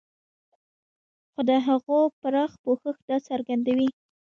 خو د هغو پراخ پوښښ دا څرګندوي.